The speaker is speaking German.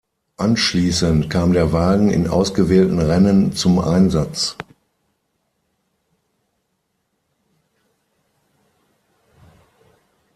Anschließend kam der Wagen in ausgewählten Rennen zum Einsatz.